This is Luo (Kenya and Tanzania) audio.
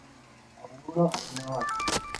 Awuoro ahinya wachno.